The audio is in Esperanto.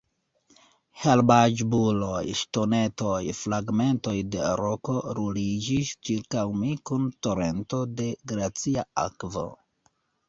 Herbaĵbuloj, ŝtonetoj, fragmentoj de roko ruliĝis ĉirkaŭ mi kun torento de glacia akvo.